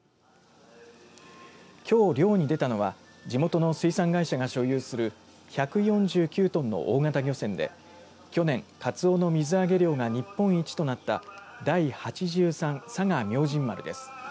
きょう漁に出たのは地元の水産会社が所有する１４９トンの大型漁船で去年、かつおの水揚げ量が日本一となった第８３佐賀明神丸です。